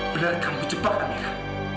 benar kamu jebak amira